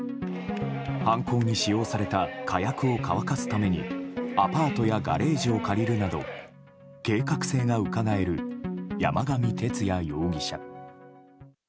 犯行に使用された火薬を乾かすためにアパートやガレージを借りるなど計画性がうかがえる山上徹也容疑者。